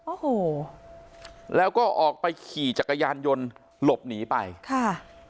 โอ้โหแล้วก็ออกไปขี่จักรยานยนต์หลบหนีไปค่ะ